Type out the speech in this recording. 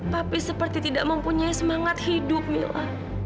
papi seperti tidak mempunyai semangat hidup mila